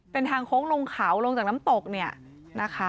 เป็นทางโค้งลงเขาลงจากน้ำตกเนี่ยนะคะ